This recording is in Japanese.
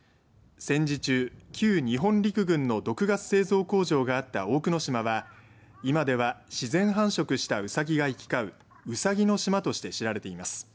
戦時中、旧日本陸軍の毒ガスど製造工場があった大久野島は、今では自然繁殖したうさぎが行き交ううさぎの島として知られています。